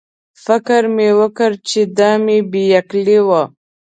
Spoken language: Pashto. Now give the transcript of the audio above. فکر مې وکړ چې دا مې بې عقلي وه.